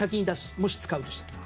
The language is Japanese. もし、使うとしたら。